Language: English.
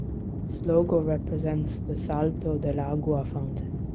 Its logo represents the "Salto del Agua" fountain.